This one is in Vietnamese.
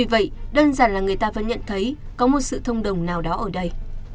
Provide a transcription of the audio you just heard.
chẳng giả là người ta vẫn nhận thấy có một sự thông đồng nào đó ở đây